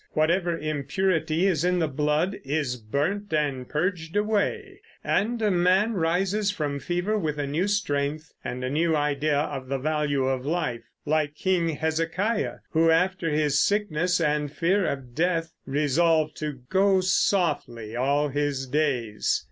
Whatever impurity is in the blood "is burnt and purged away," and a man rises from fever with a new strength and a new idea of the value of life, like King Hezekiah, who after his sickness and fear of death resolved to "go softly" all his days.